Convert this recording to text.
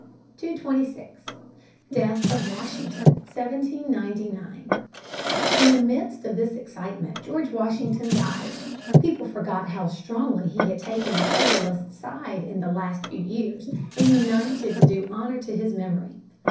[Sidenote: Death of Washington, 1799.] 226. Death of Washington, 1799. In the midst of this excitement George Washington died. People forgot how strongly he had taken the Federalist side in the last few years, and united to do honor to his memory.